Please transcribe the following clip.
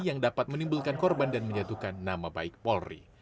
yang dapat menimbulkan korban dan menyatukan nama baik polri